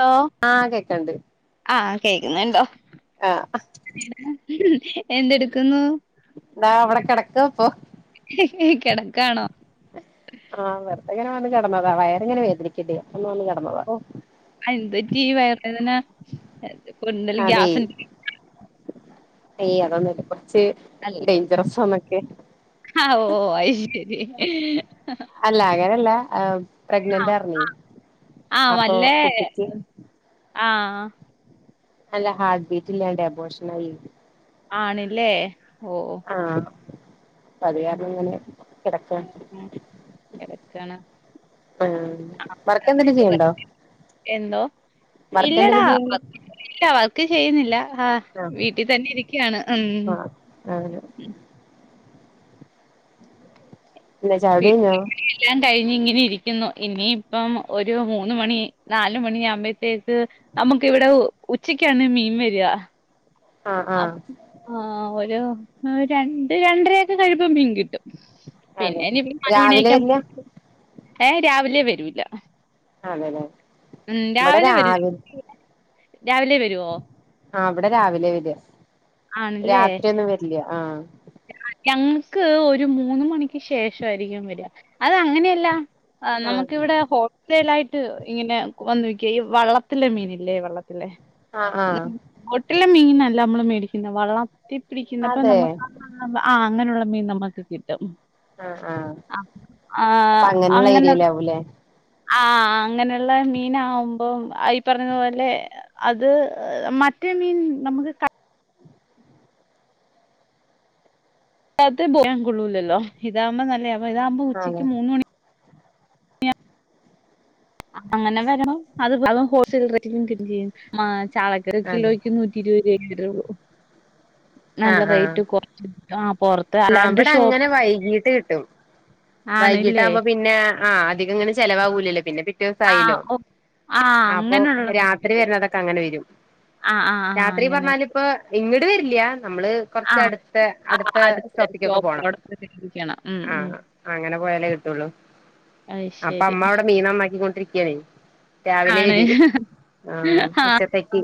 Law ആഹ് കേക്കണ്ട് ആഹ് കേൾക്കുന്നുണ്ടോ? ആഹ് [unintelligible] ഉം എന്തെടുക്കുന്നു? ഇതാ അവിടെ കിടക്കാ ഇപ്പോ. [unintelligible] കിടക്കാണോ? ആഹ് വെറുതെങ്ങനെ വന്ന് കിടന്നതാ വയറിങ്ങനെ വേദനിക്കണ്ടേ അന്ന് വന്ന്ന് കിടന്നതാ. എന്തൊറ്റീ ഈ വയറ് വേദന എന്തലും അതെ ഗ്യാസി. ഏയ് അതൊന്നുംല്ല കുറച്ച്. അല്ലെ. ഡേയ്ഞ്ചറസൊണാക്കെ. ആഹ് ഓ അയ് ശരി. അല്ല അങ്ങനല്ല പ്രഗ്നന്റ് ആഹ് ആർന്നു അപ്പൊ വല്ലേ കുട്ടിക്ക് ആഹ് ആഹ് അല്ല ഹാട്ട് ബീറ്റ് ഇല്ലാണ്ടെ അബോഷനയി. ആണല്ലേ ഓ. ആഹ് അപ്പൊ അത് കാരണം ഇങ്ങനെ കിടക്കാ ആഹ് കെടക്കാണ്. ഉം വറക്കന്തേലും ചെയ്യണ്ടോ? എന്തോ? വർക്ക് എന്തേലും [unintelligible] ഇല്ല വർക്ക് ചെയ്യുന്നില്ല ആഹ് വീട്ടിൽ തന്നെ ഇരിക്കുകയാണ് ഉം. [unintelligible] പിന്നെ ചായ കുടി കഴിഞ്ഞോ [unintelligible] എല്ലാം കഴിഞ്ഞു ഇങ്ങനെ ഇരിക്കുന്നു ഇനിയിപ്പം ഒരു മൂന്ന് മണി നാല് മണി ആകുമ്പോഴത്തേക്ക്. നമുക്ക് ഇവിടെ ഉച്ചക്കാണ് മീൻ വരിക. ആഹ് ആഹ് അഹ് ആഹ് ഒരു രണ്ട് രണ്ടരയൊക്കെ കഴീമ്പം മിൻ കിട്ടും. അതെ പിന്നെ ഇനി ഇമ്മനെ പണിയ് രാവിലെ ക്കാൻ വരില്ല ഏഹ് രാവിലെ വരൂല്ല അതെലെ ഉം രാവിലെ വരൂ രാവിലെ വരുവോ ആഹ് ഇവിടെ രാവിലെ വര്യാ ആണല്ലേ രാത്രി ഒന്നും വരില്ല ആഹ് ഞങ്ങക്ക് ഒരു മൂന്ന് മണിക്ക് ശേഷായിരിക്കും വെര്യ അത് അങ്ങനെയല്ല ആഹ് നമുക്കിവിടെ ഹോൾറ്റൽ ആയിട്ട് ഇങ്ങനെ വന്നോ ക ഈ വള്ള ഇങ്ങോട്ടില്ല മീനില്ലേ വെള്ളത്തിലെ ആഹ് ആഹ് ബോട്ടിലെ മീനല്ല നമ്മള് മേടിക്കുന്നത് വെള്ളം തിപ്പടിക്കുന്നപ്പ അതെ നമ്മുക്ക് ആഹ് അങ്ങനെയുള്ള മീൻ നമ്മുക്ക് കിട്ടും ആഹ് ആഹ് അപ്പൊ ആഹ് അങ്ങനെയുള്ള അങ്ങനെ [unintelligible] ആഹ് അങ്ങനെയുള്ള മീന് ആവുമ്പം ഈ പറഞ്ഞതു പോലെ അത് മറ്റേ മീൻ നമുക്ക് അഹ് പോക കൊള്ളൂലല്ലോ ഇതാവുമ്പോ നല്ലത ഇതാകുമ്പോ അതെ ഉച്ചക്ക് മൂന്ന് മണിക്ക് അങ്ങനെ വരു അത് ഹോൾസെൽ റേ ചെയ്യും ചാളക്ക് അതെ കിലോയ്ക്ക് നൂറ്റി നല്ല ആഹ് ആഹ് റേറ്റ് കൊർച് ആഹ് കൊർച് ആഹ് അവിടെ അങ്ങനെ വൈകീട്ട് കിട്ടും വൈകീട്ട ആണല്ലേ ആകുമ്പോ പിന്നെ ആഹ് അധികങ്ങനെ ചിലവാവൂലല്ലോ പിന്നെ പിറ്റേ ദിവ്സം ആ ആയില്ലോ ഓ ആ അപ്പൊ രാത്രി വരണതൊക്കെ അങ്ങനെ വരും ആഹ് ആഹ് ആഹ് അങ്ങനെ ഇപ്പ ഇങ്ങട്ട് വരില്ല നമ്മള് ആ, കൊറച്ച് അടുത്ത ആ അടുത്ത സ്റ്റോപ്പിക്കൊക്കെ പോണം [unintelligible] ഉം ഉം ആഹ് അങ്ങനെ പോയാലേ കിട്ടുള്ളൂ അഹ് ശരി അപ്പൊ അമ്മ അവിടെ മീൻ നന്നാക്കികൊണ്ടിരിക്കാണ് രാവിലെ ആണ്. വിധി ആഹ് ആ, ഉച്ചത്തിക്ക്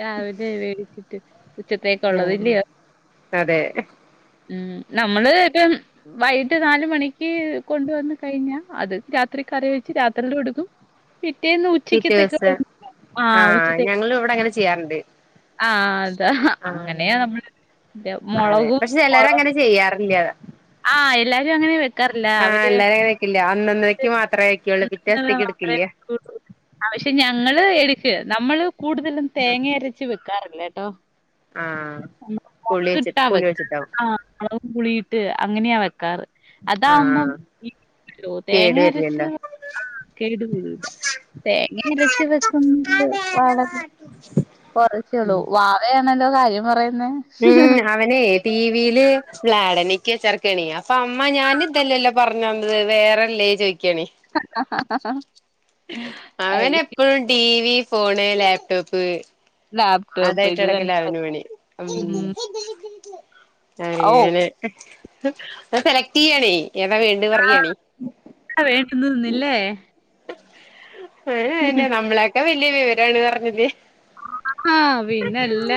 രാവിലെ വേടിച്ചിട്ട് ഉച്ചത്തേക്കുള്ളത് ഉം ഇല്ലയോ അതെ ഉം നമ്മള് ഇപ്പം വൈകിട്ട് നാല് മണിക്ക് കൊണ്ടുവന്ന് കഴിഞ്ഞാ അത് രാത്രി കറി വെച്ച് രാത്രിലുടുക്കും പിറ്റേന്ന് ഉച്ചക്കതേക്ക് ആഹ് ഉച്ചതേക്ക് ഇങ്ങള് ഇവിടെചെ ചെയ്യാറുണ്ട് ആഹ് അതാ ആ അങ്ങനെയ നമ്മള് അതെ മുളകും പക്ഷെ മുളക. ചിലരങ്ങനെ ചെയ്യാറില്ല ആഹ് എല്ലാരും അങ്ങനെ വെക്കാറില്ല അവര് ഇല്ല അന്നന്നേക്ക് മാത്രേ അയകൊള്ളൂ പിറ്റേസ്ഥിക്ക് മാത്രമേ ഇടുക്കില്ല വെക്കുള്ളൂ. പക്ഷെ ഞങ്ങള് എടുക്ക നമ്മള് കൂടുതലും തേങ്ങ അരച്ച് വെക്കാറില്ലേ കേട്ടോ ആഹ് പുളി വെച്ചി കിട്ടാ പുളി വെക്ക വെച്ചിട്ടാവും ആഹ് അളകവും കുളിട്ട് അങ്ങനെയാ വെക്കാറ് അതാവുമ്പം ആഹ് ഇ തേങ്ങ കേടു അരച്ച് വരില്ലല്ലോ കേടു കൂടൂല തേങ്ങ അരച്ച് വെക്കുന്നത് വളരെ [inaudible] കുറച്ചേള്ളൂ ഉം വാവയാണല്ലോ കാര്യം പറയുന്നേ ഉം അവനെ ടിവിൽ പ്ലാ ഡനിക്ക ചേർക്കാന് അപ്പൊ അമ്മ ഞാൻ ഇതല്ലല്ലോ പറഞ്ഞോടത് വേറെല്ലേ ചോയിക്കാനെ അവന് ആയിരിക്കും. എപ്പോഴും ടിവി ഫോൺ ലാപ്ടോപ്പ് ലാപ്ടോപ്പ് ഇത് തന്നെ അതായിട്ട്ടക്കല പറ്റി അവന് പണി ഉം മ്മ്. ഓഹ്, അങ്ങനെ. [inaudible] അഹ് സെലക്ട്യ്യണേ ഏതാ വേണ്ട് പറയാണി. ആ വേണ്ടുന്ന നിന്നില്ലേ [unintelligible] ന്നെ നമ്മളൊക്കെ വേലിയ വിടാണ് പറഞ്ഞതി ആ ഹ പിന്നെല്ല.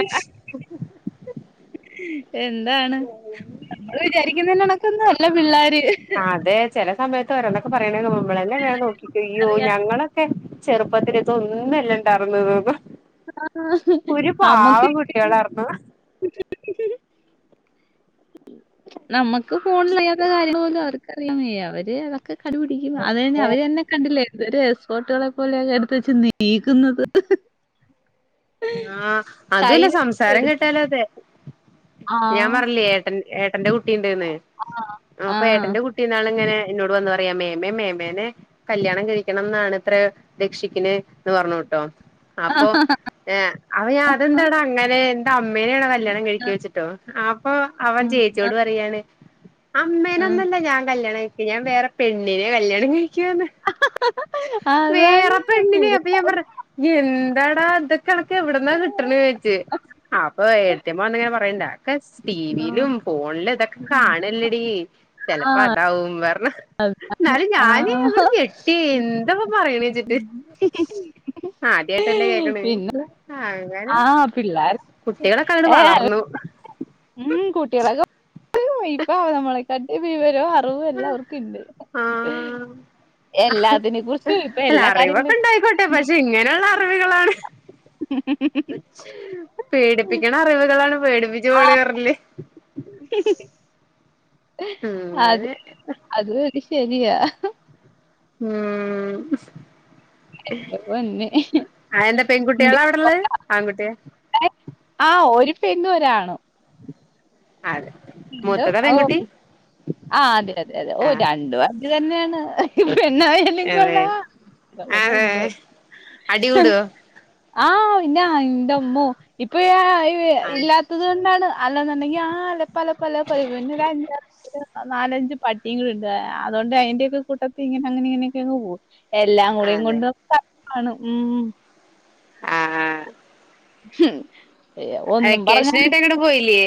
എന്താണ് നമ്മള് വിചാരിക്കുന്നനക്കൊന്നും അല്ല പിള്ളാ ര്. ആ അതെ ചില സമയത്ത് ഒരണക്കെ പറയണേ തോന്നും ന്നൊക്കെ പറയണെങ്ക നമ്മളെല്ലെങ്ന്നെ നോക്കിക്കയ്യോ അറിയാ ഞങ്ങളെ [unintelligible] ചെറുപ്പത്തിലിതൊന്നുഇണ്ടാവുന്നെ തോന്നും. ഒരു പാവം കുട്ടികളാർന്നു. [inaudible] നമ്മക്ക് ക്ക് ഫോണിലറിയാത്ത കാര്യങ്ങള് പോലും അവർക്ക് അറിയാൻ വയ്യ അവര് അതൊക്കെ കണ്ട് പിടിക്കും. അത് കഴിഞ്ഞാ അതെ അവര് തന്നെ കണ്ടില്ലേ എന്തൊരു എക്സ്സ്‌പേർട്ടുകളെ പോലെയൊക്കെ എടുത്ത വച്ച് നീക്കുന്നത്. ആ അതന്നെ കയ്യിൽ സംസാരം എടുത്ത് കെട്ടാലു അതെ ആ ഞാൻ പറഞ്ഞില്ലേ ഏട്ടൻ ഏട്ടന്റെ കുട്ടി ഉണ്ട്ന്ന് ആ അപ്പം ആ ഏട്ടന്റെ കുട്ടി കുട്ടിന്നാളങ്ങനെ ഇന്നോട് വന്ന് പറയാ മേമേ മേമേനെ കല്യാണം കഴിക്കണന്നാണ് ഇത്രേ രക്ഷിക്കിന് എന്ന് പറഞ്ഞുട്ടോ അപ്പൊ ഏ അപ്പൊ ഞാൻ അതെന്താടാ അങ്ങനെ എന്ത അമ്മേനെയാണോ കല്യാണം കഴിക്കി ചോയിച്ചിട്ടോ അപ്പൊ അവൻ ചേച്ചിയോട് പറയാണ്. അമ്മേനൊന്നല്ല ഞാൻ കല്യാണം കഴിക്ക ഞാൻ വേറെ പെണ്ണിനെ കല്യാണം കഴിക്കുകാന്ന്. ആ അതാണ് വേറെ പെണ്ണിനെ അപ്പം ഞാൻ പിള്ളേർക്ക് പറഞ്ഞ ഇയ്യ് എന്താടാ ഇതൊക്കെ അനക്ക് എവിടന്നാ കിട്ടണ ചോദിച്ച് അപ്പൊ ഏടത്തിയമ്മ വന്നിങ്ങനെ പറഞ്ഞ [unintelligible] ടിവിയിലും ഫോണിലും ഇതൊക്കെ കാണല്ലേടീ. ചെലപ്പം അതാവും പറഞ്ഞ് എന്നാലും ആ ആ ഞാന് അങ്ങട് ഞെ എന്തപ്പ പറയണച്ചിട്ട് [inaudible] ആദ്യയായിട്ടല്ലേ കേക്ക്ണ്. ആഹ് പിള്ളേർ [inaudible] കുട്ടികളൊക്കെ അങ്ങട് ഏ. വളർന്നു [inaudible] ഉം കുട്ടികളക്ക [inaudible] ഇവ നമ്മളകാട്ടി വിവര ഉ എല്ലാവർക്കുംണ്ട് ആഹ് എല്ലാതിനെ കുറിച്ചും ഇപ്പ അല്ല എല്ലാ കാര്യങ്ങളെ അറിവൊക്കെ ഉണ്ടായിക്കോട്ടെ പക്ഷെ ഇങ്ങനെയുള്ള അറിവുകളാണ്. [inaudible] പേടിപ്പിക്കണ അറിവുകളാണ് പേടിപ്പിച്ചു പണിതർല്. ഉം അത് അങ്ങനെ അതു ഒരു ശരിയ. മം എന്റെ പൊന്നെ ആഹ് ന്നെ പെൺകുട്ടികളാ അവു ടെള്ളെ ആൺകുട്ടിയ ആഹ് ഒരു പെണ്ണു ഒരാണും. അതെ മൂത്തതാ പെൺകുട്ടി [unintelligible] ആ അതെ അതെ അതെ ഓ ആഹ് രണ്ടു [unintelligible] തന്നെയാണ് പെണ്ണായാൽ നികൊള്ള അതെ ഇപ്പന്നെ അതെ രണ്ടായി. അടികൂടോ ആഹ് പിന്ന എന്തമ്മോ ഇപ്പൊഴഅഴി ആഹ് ഇല്ലാത്ത അതുകൊണ്ടാണ് അ. ല്ലാെന്നുണ്ടങ്കിൽ ആ അലപ്പ അലപ്പം അല പിന്നെ. [unintelligible] ഒരു നാലഞ്ച് പട്ടികളുണ്ട് അതുകൊണ്ട് അതിന്റെൊക്കെ കൂട്ടത്തി ഇങ്ങനെ അങ്ങനെ ഇങ്ങനെയൊക്കെങ്ങ് പോകും. എല്ലാം കൂടെയും അതെ കൊണ്ട [unintelligible] ഉം. ആഹ് ആഹ് ഒന്നും പറഞ്ഞ വെക്കേഷനായിട്ട് പോയില്ലേ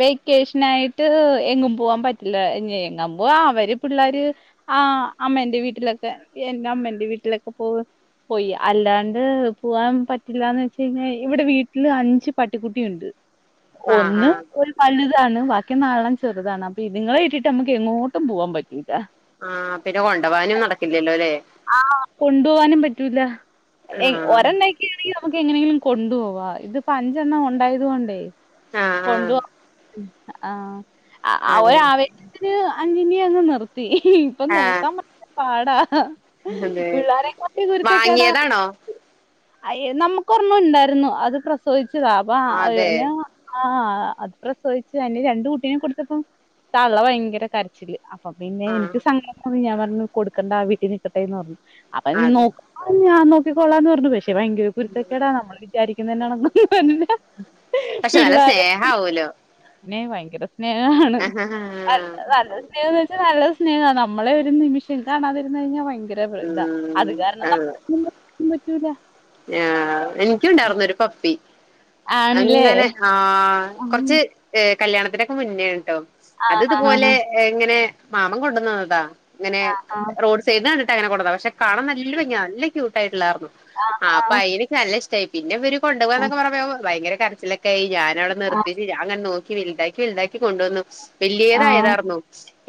വെക്കേഷനായിട്ട് എങ്ങും പോവാൻ പറ്റില്ല എങ്ങാൻ പോ അവര് പിള്ളാര് ആഹ് അമ്മേന്റെ വീട്ടിലൊക്കെ എന്റെമ്മേന്റെ വീട്ടിലൊക്കെ പോകും പോയി അല്ലാണ്ട് പോവാൻ പറ്റില്ലന്ന് വെച്ച കഴിഞ്ഞാൽ ഇവിടെ വീട്ടില് അഞ്ച് പട്ടിക്കുട്ടിയുണ്ട് ആഹ് ഒന്ന് ആഹ് ഒരു വലുതാണ് ബാക്കി നാലെണ്ണം ചെറുതാണ് അപ്പൊ ഇതിങ്ങളെ ഇട്ടിട്ട് നമ്മുക്ക് എങ്ങോട്ടും പോവാൻ പറ്റൂല്ല ആഹ് പിന്നെ കൊണ്ടോവാനും നടക്കില്ലല്ലോ അല്ലേ ആഹ് കൊണ്ട് പോവാനും പറ്റൂല ആഹ് ഒരെണ്ണ [unintelligible] നമുക്ക് എങ്ങനെങ്കിലും കൊണ്ടുപോവാ ഇതിപ്പോ അഞ്ചെണ്ണം ഉണ്ടായത് കൊണ്ടേ ആഹ് കൊണ്ട് ആഹ് പോവ ആഹ് അവ അതെ ഒരു ആവേ ശത്തിന് അഞ്ചിനെ അങ്ങ് നിർത്തി ഇപ്പൊ ആഹ് നോക്കാൻ ഭയങ്കര പാടാ അതെ പിള്ളാരക്കായിലും കുരുത്തെക്കെടാ വാങ്ങിയതാണോ അഹ് നമുക്ക് ഒരെണം ഉണ്ടായിരുന്നു അത് പ്രസവിച്ചതാ അപ്പൊ അ അതെ ആഹ് അത് പ്രസവിച്ചു അതിന്റെ രണ്ട് കുട്ടീയേ കൊടുത്തപ്പോൾ താളള ഭയങ്കര കരച്ചില്ല് അപ്പൊ പിന്നെ എനിക്ക് ആഹ് സങ്കടം തോന്നി ഞാൻ പറഞ്ഞു കൊടുക്കേണ്ട ആഹ് വീട്ടിൽ നിക്കട്ടെന്ന് പറഞ്ഞു അപ്പൊ നോ അതെ ആഹ് ഞാൻ നോക്കി കൊള്ളാന്ന് പറഞ്ഞു പക്ഷെ ഭയങ്കര കുരുത്തക്കേടാ നമ്മൾ വിചാരിക്കുന്ന കണ്ടക്കോന്നും അല്ല പക്ഷെ നല്ല പിള്ളേര സ്നേഹാവൂലോ പിന്നെ ഭയങ്കര സ്നേഹാണ് ആഹ് നല്ല നല്ല സ്നേഹന്ന് വച്ചാ നല്ല സ്നേഹമാണ് നമ്മളെ ഒരു നിമിഷം കാണാതെ ഇരുന്ന കഴിഞ്ഞൽ പ ഇതാ ഉം അത് കാരണം അതെ നമ്മുക്കും പറ്റൂല ആഹ് എനിക്കുണ്ടായിന്നരു പപ്പി ആണല്ലേ ആഹ് കുറച്ച് കല്യാണത്തിനൊക്കെ മുന്നേ ആണുട്ടോ അത് ആഹാ ഇതുപോലെ എങ്ങനെ മാമൻ കൊണ്ടുവന്നതാ ഇങ്ങനെ റോഡ് സൈഡ് കണ്ടിട്ട് അങ്ങനെ കൊണ്ടത പക്ഷെ കാണാൻ നല്ല ഭംഗി നല്ല ക്യൂട്ട ആയിട്ടുള്ളായിരുന്നു ആഹ് അപ്പ അയിനെ എനിക്ക് നല്ല ഇഷ്ടമായി പിന്നെ ഇവര് കൊണ്ടു പോകാന്നൊക്ക പറയോ ഭയരച്ചിലൊക്കെ ആഹ് ഞാന അവിടെ നിർത്തിച്ച് ഞാ അങ്ങെ നോക്കി വലുതാക്കി വലുതാക്കി കൊണ്ടുവന്നു വലിയതായതാർന്നു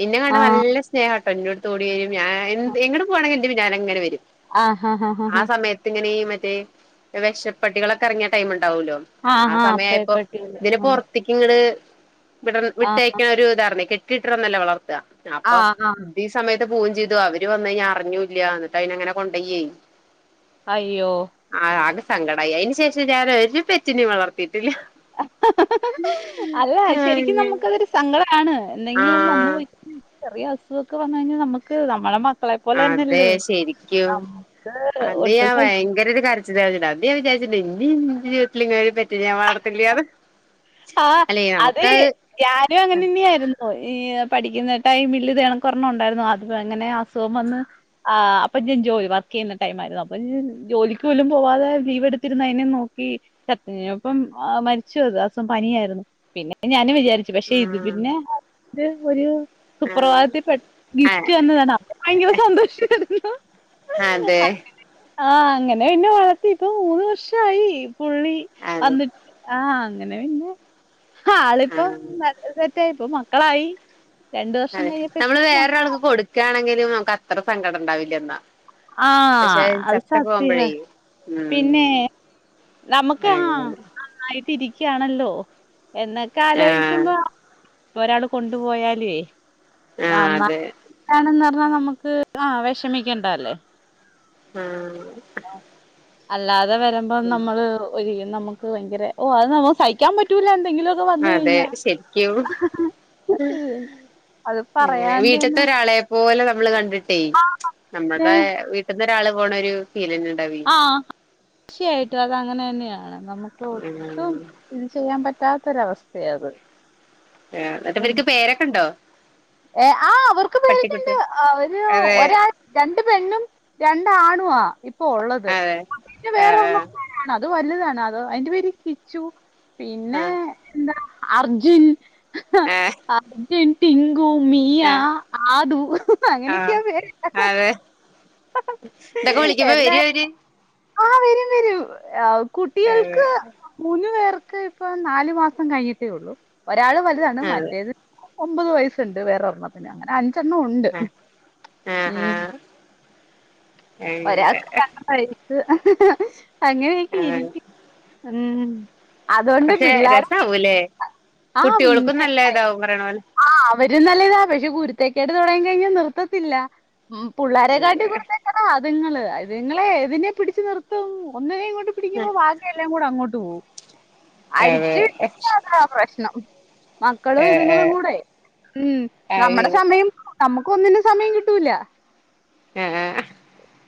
എന്നെ കണ്ട നല്ല സ്നേഹം എന്റെ അടുത്ത് ഓടി വരും ഞാൻ എങ്ങട്ട പോവാണങ്കി എന്റെ പിന്നാലെ ഇങ്ങനെ വരും ആഹ് ആഹ് ആ ആഹ് സമയത്ത് ഇങ്ങനെ മറ്റേ വിഷപ്പട്ടികളൊക്കെ ഇറങ്ങിയ ടൈം ഉണ്ടാവല്ലോ ആഹ് സമയയപ്പോ പേപ്പട്ടികള് ഇതിനെ പോ ത്തിക്കിണ് വിട ആ വിട്ടയക്കണ ഒരു ഇതാ കെട്ടിയിട്ടിരുന്നല്ല വളർത്തുക ആ അപ്പൊ ആ ഇത് സമയത്ത് പോവം ചെയ്തു അവര് വന്ന കഴി അറിഞ്ഞൂല്ല എന്നിട്ട് അയിന്ങ്ങനെ കൊണ്ട് പോണ്ടയ്യെ ചെയ്തു അയ്യോ ആഹ് ആകെ സങ്കടമായി അതിന് ശേഷം ഞാൻ ഒരു പെറ്റിന് വളർത്തിയിട്ടില്ല അല്ല ശരിക്കും നമുക്കതൊരു സങ്കടമാണ് എന്തെങ്കിലും വന്ന ആഹ് പോയി ചെറിയ അസുഖൊക്കെ വന്നു കഴിഞ്ഞാൽ നമുക്ക് നമ്മുടെ മക്കളെ പോലെ അതെ തന്നെയല്ലേ ശരിക്കും നമ്മക്ക് അന്ന് ഒട്ടും ഞാൻ സഹി ഭയങ്കര ഒരു കരചിൽ കരഞ്ഞിട്ടിണ്ട് അന്ന് ഞാൻ വിചാരിച്ച് ഇനി എന്റെ ജീവിതത്തി ഇങ്ങ പെറ്റ് നെ. ഞാൻ വാർത്തില്ല എന്ന് ആഹ് അത ഞാനും അങ്ങനെ തന്നെയായിരുന്നു ഈ പഠിക്കുന്ന ടൈമിൽ ഇതേണക്ക ഒരണ്ണം ഉണ്ടായിരുന്നു അത്പ്പോ അങ്ങനെ അസുഖം വന്ന് ആഹ് അപ്പൊ ഞാൻ ജോലി വർക്ക് ചെയ്യുന്ന ടൈം ആരുന്നു അപ്പൊ ജോലിക്ക് പോലും പോവാതെ ലീവ് എടുത്തിരുന്നതിനെ നോക്കി ചത്തചെയ്ത് അപ്പംമരിച്ചു അത് ദിവസം പനിയായിരുന്നു പിന്നെ ഞാന് വിചാരിച്ചു പക്ഷെ ഇത് ആഹ് പിന്നെ ഇത് ഒരു സുപ്രഭാതത്തിൽ പെട്ട ഗിഫ്റ്റ് തന്നതാണ് അപ്പ ഭയങ്കര സന്തോഷമായിരുന്നു അതെ അതെ ആഹ് അങ്ങനെ പിന്നെ വളർത്തി ഇപ്പൊ മൂന്ന് വർഷമായി പുള്ളി ആഹ് വന്നിട്ട് ആഹ് അങ്ങനെ പിന്നെ ആളിപ്പ വന്ന് ഇപ്പ മക്കളായി രണ്ടു വർഷം കഴഞ്ഞപ്പോ മക്കള അയി ക്ക ആണെങ്കിലും നമുക്ക് അത്ര സങ്കടം ഉണ്ടാവില്ല എന്നാ ആ പക്ഷെ അത് ചത്ത് സത്യാ. പോകുമ്പോഴേ പിന്നെ ഉം നമുക്ക് ആഹ് അങ്ങനെ നന്നായിട്ട് ഇരിക്കുകയാണല്ലോ എന്നൊക്കെ ആഹ് ആലോയിക്കുമ്പോ ഒരാള് കൊണ്ടു പോയാലെ ആഹ് [inaudible] ആണെന്ന് പറഞ്ഞാൽ നമുക്ക് ആഹ് വിഷമിക്കേണ്ടല്ല ആഹ് അല്ലാതെ വരുമ്പോ നമ്മള് ഒരിക്കും നമുക്ക് ഭയങ്കര ഓ അത് നമ്മു സഹിക്കാൻ പറ്റൂല്ല എന്തെങ്കിലും ക്കെ വന്ന് അതെ കഴിഞ്ഞ ശരിക്കും അങ്ങനെ വീട്ടത്തെ ഒരാളെ പോലെ നമ്മള് കണ്ടിട്ടേ ആ. ഏ നമ്മുടെ ടുത്ത് ഒരാള് പോണ ഒരു ഫീലന്നെ ഉണ്ടാവി ആഹ് ച്ചയായിട്ടും അത അങ്ങനെ തന്നെയാണ് നമുക്ക് ഒട്ടും ഇത് ചെയ്യാൻ പറ്റാത്തൊര് അവസ്ഥയാ അത് ഏഹ് എന്നിട്ട് ഇവർക്ക് പേരൊക്കെ ഉണ്ടോ ഏഹ് ആഹ് അവർക്ക് പേരൊക്കെണ്ട് പട്ടിക്കുട്ടി അവര് അതെ ഒര രണ്ട് പെണ്ണും രണ്ടാണുവാ ഇപ്പൊ ഉള്ളത് അതെ പിന്നെ വേറെ ഒരെണ്ണം ആഹ് ആണ് അത് വലുതാണ് അതൊ അതിന്റെ പേര് കിച്ചു പിന്നെ ആഹ് അർജുൻ ആഹ് അർജുൻ ട്ടി ങ്കു മിയ ആഹ് ആതു അങ്ങനെയൊക്കെയാ ആഹ് പേര് അതെ ഇതൊക്കെ വിളിക്കുമ്പോ എല്ലാ വരോ അവര് ആഹ് വരും വരും ആഹ് കുട്ടികൾക്ക് മൂന്നു പേർക്ക് ഇപ്പ നാലു മാസം കഴിഞ്ഞിട്ടേ ഉള്ളു ഒരാള് വലുതാണ് മറ്റേത് ഒമ്പത് വയസ്സുണ്ട് വേറെ ഒരണ്ണത്തിന് അങ്ങനെ അഞ്ചെണ്ണം ഉണ്ട് അതെ അതെ ഉം ആഹ് ആഹ് ആഹ് അങ്ങനെ ഒരാക്ക് [unintelligible] വയസ് അങ്ങനെയൊക്കെ ആഹ് ഇരിക്കും ഉം അതുകൊണ്ട് പിള്ളേര പോവുലെ ആഹ പിന്നെ പ പോലെ ആഹ് അവരും നല്ലതാ പക്ഷെ കുരുത്തക്കേട് തുടങ്ങി കഴിഞ്ഞാ നിർത്തത്തില്ല ഉം പുള്ളാരെ കാട്ടി കുരുത്തക്കേടാ അതിങ്ങള് അതുങ്ങളെ ഏതിനെ പിടിച്ച് നിർത്തും ഒന്നിനേങ്ങട്ട് അതെ പിടിക്കുമ്പോ ബാക്കി എല്ലാം കൂടെ അങ്ങോട്ട് പോകും അതെ അഴിച്ച് വിട്ടിട്ടാണാ പ്രശ് മക്കളും ഏഹ് ഇതുങ്ങളും കൂടെ ഉം ഏഹ് നമ്മുടെ അത് സമയ യം നമുക്കും ഒന്നിനും സമയം കിട്ടൂല ആഹ്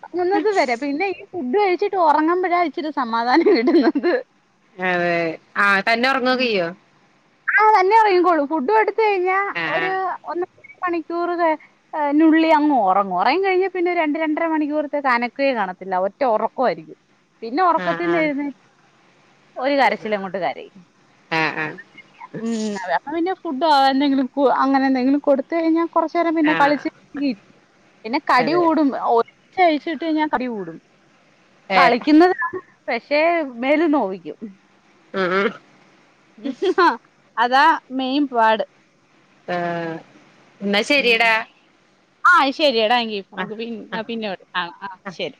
[unintelligible] വരെ പിന്നെ ഈ ഫുഡ് കഴിച്ചിട്ട് ഉറങ്ങുമ്പോഴാ ഇച്ചിരി സമാധാനം കിട്ടുന്നത് അതെ ആഹ് തന്നെ ഉറങ്ങൊക്കെയ്യോ ആഹ് തന്നെ ഉറങ്ങികോളൂ ഫുഡു കൊടുത്ത കഴിഞ്ഞാ ഒരു ആഹ് ഒന്നര മണിക്കൂറ് ക ആഹ് നുള്ളി അങ്ങ് ഒറങ്ങും ഉറങ്ങി കഴിഞ്ഞാൽ പിന്നെ രണ്ട് രണ്ടര മണിക്കൂറത്തേക്ക് അനക്കെ കാണത്തില്ല ഒറ്റ ഉറക്കവായിരിക്കും പിന്നെ ആഹ് ഉറക്കത്തിന്ന് ആഹ് എഴുന്നേ ഒരു കരച്ചില് അങ്ങോട്ട് കരയും ആഹ് ആഹ് ഉം അതാവുമ്പോ പിന്നെ ഫുഡോ എന്തെങ്കിലും കു അങ്ങനെ എന്തെങ്കിലും കൊടുത്ത് കഴിഞ്ഞാൻ കുറച്ചു നേരം പിന്നെ ആഹ് കളിച്ച് പിന്നെ കടി അതെ കൂടും ഒച്ചഴിച്ചിട്ട് കഴിഞ്ഞാ കടി കൂടും ഏഹ് കളിക്കുന്നതാ പക്ഷേ മേല് നോവിക്കും ഉം അതാ മെയ്ൻ പാട് ആഹ് എന്നാ ഉം ശരിയടാ ആഹ് ശരിയാടാ എങ്കി ആഹ് നമുക്ക് പി ആഹ് പിന്നെ വി ആഹ് ആഹ് ശരി